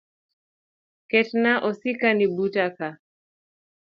Ketna osikani buta ka.